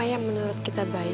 janganlah hati dua papi